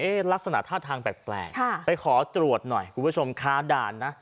ลักษณะท่าทางแปลกไปขอตรวจหน่อยคุณผู้ชมค้าด่านนะ